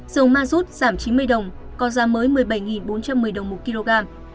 dầu ma rút giảm chín mươi đồng có giá mới một mươi bảy bốn trăm một mươi đồng một kg